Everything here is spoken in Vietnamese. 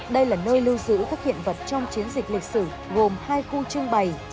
đây là nơi lưu giữ các hiện vật trong chiến dịch lịch sử gồm hai khu trưng bày